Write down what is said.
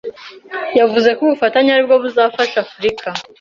yavuze ko ubufatanye aribwo buzafasha Afurika